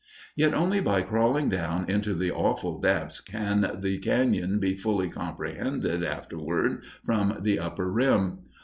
Yet only by crawling down into the awe full depths can the cañon be fully comprehended afterward from the upper rim.